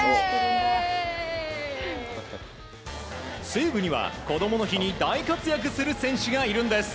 西武には、こどもの日に大活躍する選手がいるんです。